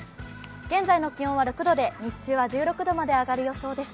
現在の気温は６度で、日中は１６度まで上がる予想です。